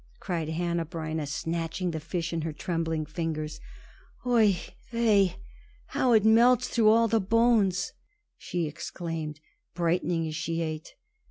cried Hanneh Breineh, snatching the fish in her trembling fingers. "Oi weh! how it melts through all the bones!" she exclaimed, brightening as she ate.